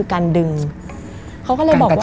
มันกลายเป็นรูปของคนที่กำลังขโมยคิ้วแล้วก็ร้องไห้อยู่